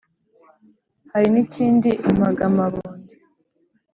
hari n’ ikindi impagamabondo,